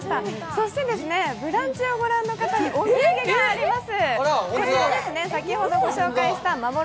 そしてブランチをご覧の方にお土産があります。